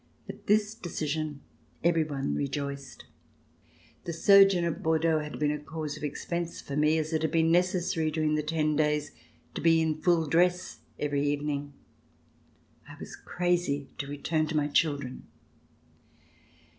At this decision, every one rejoiced. The sojourn at Bordeaux had been a cause of expense for me, as it had been necessary, during the ten days, to be in full dress every evening. I was crazy to return to my children.